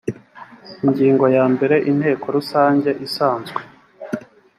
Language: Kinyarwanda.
ingingo ya mbere inteko rusange isanzwe